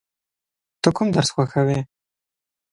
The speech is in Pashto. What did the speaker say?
ته کوم درس خوښوې؟